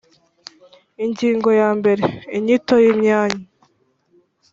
ingingo ya mbere inyito y’imyanya